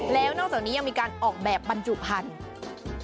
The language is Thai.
แล้วนอกจากนี้ยังมีการออกแบบบรรจุพันธุ์